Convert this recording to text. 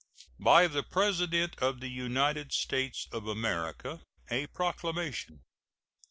BY THE PRESIDENT OF THE UNITED STATES OF AMERICA. A PROCLAMATION.